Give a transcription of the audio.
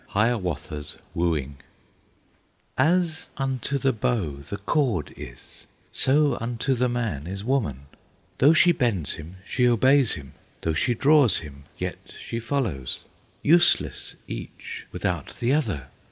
X Hiawatha's Wooing "As unto the bow the cord is, So unto the man is woman; Though she bends him, she obeys him, Though she draws him, yet she follows; Useless each without the other!"